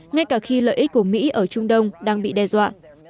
ngay cả khi lợi ích của mỹ ở trung đông đang bị đe dọa